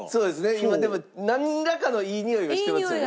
今でもなんらかのいいにおいがしてますよね。